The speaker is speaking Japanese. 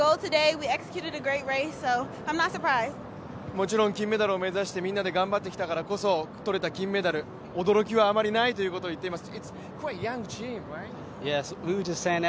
もちろん金メダルを目指してみんなで頑張ってきたから、驚きはあまりないということを言っています。